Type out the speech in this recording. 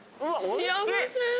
幸せ。